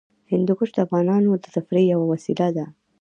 هندوکش د افغانانو د تفریح یوه وسیله ده.